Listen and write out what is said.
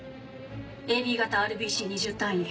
ＡＢ型ＲＢＣ２０単位。